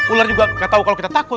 ular juga nggak tahu kalau kita takut